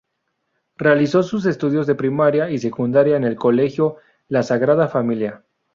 Realizó sus estudios de primaria y secundaria en el colegio La Sagrada Familia.